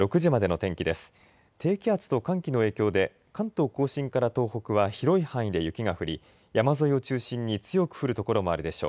低気圧と寒気の影響で関東甲信から東北は広い範囲で雪が降り山沿いを中心に強く降る所もあるでしょう。